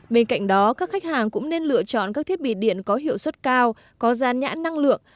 bên cạnh đó các khách hàng cũng nên lựa chọn các thiết bị điện có hiệu suất cao có gian nhãn năng lượng